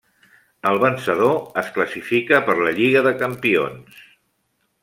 El vencedor es classifica per la Lliga de Campions.